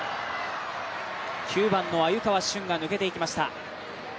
９番の鮎川峻が抜けていきました。